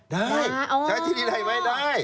ได้ใช้ที่ดินได้ไหมได้